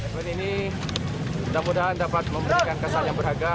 event ini semudahan dapat memberikan kesan yang berhaga